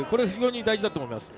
大事だと思います。